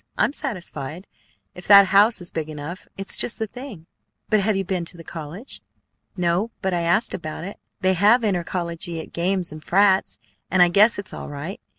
I'm satisfied. If that house is big enough, it's just the thing." "But have you been to the college?" "No, but I asked about it. They have intercollegiate games and frats, and I guess it's all right.